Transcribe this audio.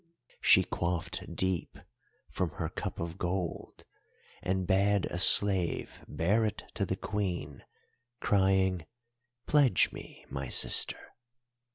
She quaffed deep from her cup of gold, and bade a slave bear it to the Queen, crying, 'Pledge me, my sister.